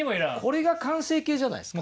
これが完成形じゃないすか。